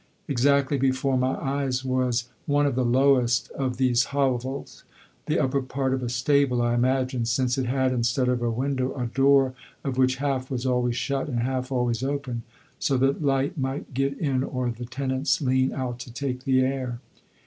Exactly before my eyes was one of the lowest of these hovels, the upper part of a stable, I imagine, since it had, instead of a window, a door, of which half was always shut and half always open, so that light might get in or the tenants lean out to take the air.